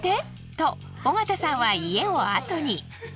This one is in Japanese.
と尾形さんは家をあとに。